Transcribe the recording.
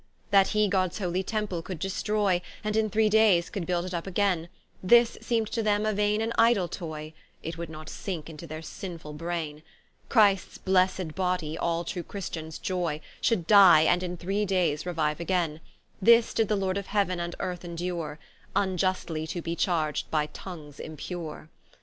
That he Gods holy Temple could destroy, And in three daies could build it vp againe; This seem'd to them a vaine and idle toy, It would not sinke into their sinful braine: Christs blessed body, al true Christians joy, Should die, and in three dayes reuiue againe: This did the Lord of Heauen and earth endure, Vniustly to be charg'd by tongues impure.